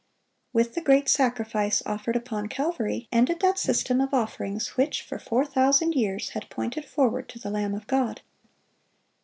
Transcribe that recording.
With the great sacrifice offered upon Calvary, ended that system of offerings which for four thousand years had pointed forward to the Lamb of God.